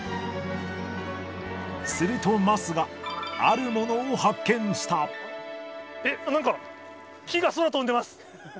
すると、桝があるものを発見えっ、なんか、木が空飛んでます。